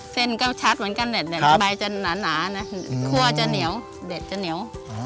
เส้นก็ชัดเหมือนกันแต่ใบจะหนานะคั่วจะเหนียวเด็ดจะเหนียว